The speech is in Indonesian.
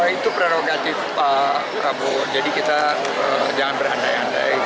itu prerogatif pak prabowo jadi kita jangan berandai andai